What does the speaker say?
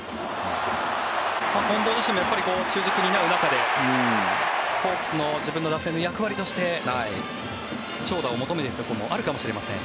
近藤自身も中軸を担う中でホークスの自分の打線の役割として長打を求めるところもあるかもしれません。